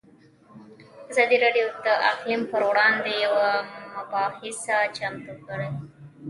ازادي راډیو د اقلیم پر وړاندې یوه مباحثه چمتو کړې.